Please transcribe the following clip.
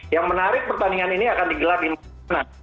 yang menarik pertandingan ini akan digelar di mana